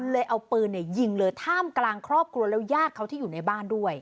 เลยเอาปืนยิงเลยท่ามกลางครอบครัวแล้วญาติเขาที่อยู่ในบ้านด้วย